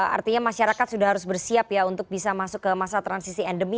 artinya masyarakat sudah harus bersiap ya untuk bisa masuk ke masa transisi endemi